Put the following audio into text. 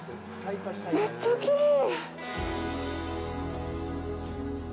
めっちゃきれい。